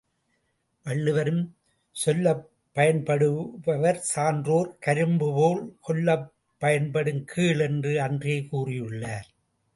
வள்ளுவரும் சொல்லப் பயன்படுவர் சான்றோர் கரும்புபோல் கொல்லப் பயன்படும் கீழ் என்று அன்றே கூறியுள்ளார்.